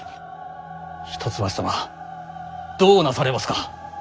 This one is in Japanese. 一橋様どうなされますか？